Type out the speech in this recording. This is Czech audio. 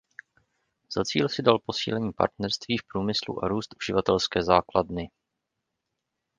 Za cíl si dal posílení partnerství v průmyslu a růst uživatelské základny.